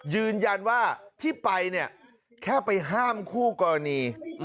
ยืนยันว่าที่ไปเนี่ยแค่ไปห้ามคู่กรณี